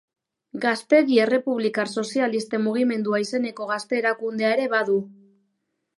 Gaztedi Errepublikar Sozialisten Mugimendua izeneko gazte erakundea ere badu.